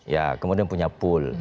ya kemudian punya pool